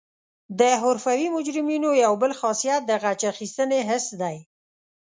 د حرفوي مجرمینو یو بل خاصیت د غچ اخیستنې حس دی